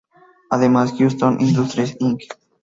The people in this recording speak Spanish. Además, Houston Industries, Inc.